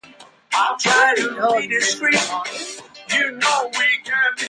“Well done, Mrs Martin!” thought Emma.